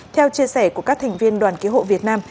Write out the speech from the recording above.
theo chia sẻ của các thành viên đoàn cứu hộ việt nam